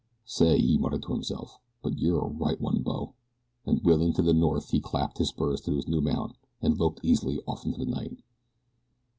"Say," he muttered to himself; "but you're a right one, bo," and wheeling to the north he clapped his spurs to his new mount and loped easily off into the night.